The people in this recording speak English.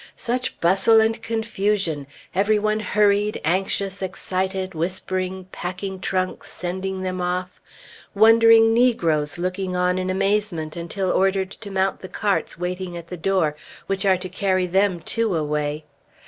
Such bustle and confusion! Every one hurried, anxious, excited, whispering, packing trunks, sending them off; wondering negroes looking on in amazement until ordered to mount the carts waiting at the door, which are to carry them too away.